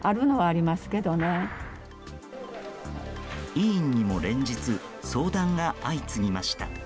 医院にも連日相談が相次ぎました。